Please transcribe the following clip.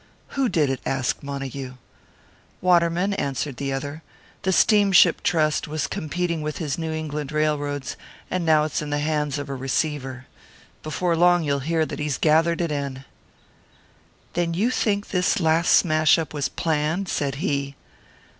"Who did it?" asked Montague. "Waterman," answered the other. "The Steamship Trust was competing with his New England railroads, and now it's in the hands of a receiver. Before long you'll hear that he's gathered it in." "Then you think this last smash up was planned?" said he.